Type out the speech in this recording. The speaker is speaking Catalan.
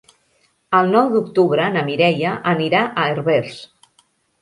El nou d'octubre na Mireia anirà a Herbers.